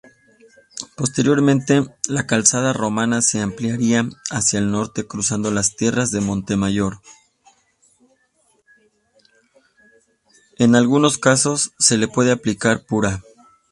En algunos casos se la puede aplicar pura.